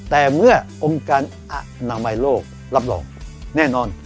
แต่เมื่อองค์การอนามัยโลกรับรองแน่นอน